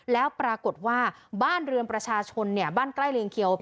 แล้วปรากฏว่าบ้านเรือนประชาชนเนี่ยบ้านใกล้เรียงเคียว